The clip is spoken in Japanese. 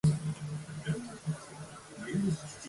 追ってそう願う事にしよう